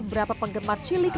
beberapa penggemar cilik